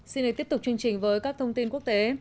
xin được tiếp tục chương trình với các thông tin quốc tế